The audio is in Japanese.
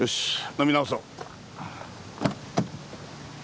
飲み直そう。